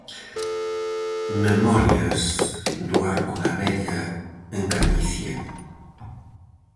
Memorias do arco da vella en Galicia.